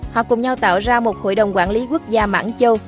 họ cùng nhau tạo ra một hội đồng quản lý quốc gia mãng châu